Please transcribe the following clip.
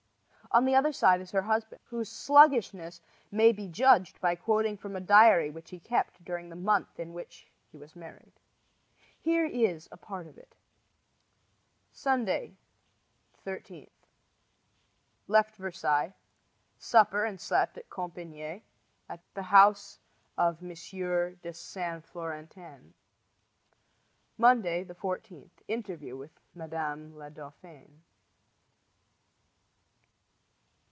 On the other side is her husband, whose sluggishness may be judged by quoting from a diary which he kept during the month in which he was married. Here is a part of it: Sunday, 13 Left Versailles. Supper and slept at Compignee, at the house of M. de Saint Florentin. Monday, 14 Interview with Mme. la Dauphine.